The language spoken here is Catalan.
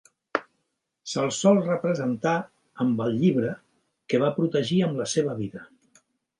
Se'l sol representar amb el llibre, que va protegir amb la seva vida.